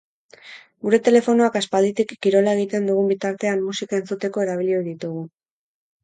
Gure telofonoak aspalditik kirola egiten dugun bitartean musika entzuteko erabili ohi ditugu.